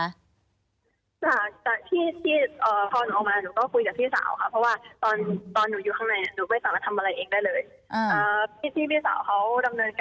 จากที่พ่อหนูเอามาหนูก็คุยกับพี่สาวค่ะ